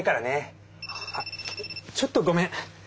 あちょっとごめん。